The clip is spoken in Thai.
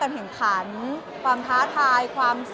เขาในการขอรับของขุนได้ไหม